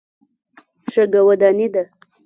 شګه وداني ده.